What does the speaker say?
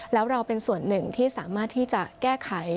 แล้วเราเป็นส่วนหนึ่งที่สามารถที่จะแก้ไข